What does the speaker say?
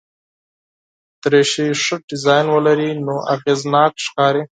دریشي ښه ډیزاین ولري نو اغېزناک ښکاري.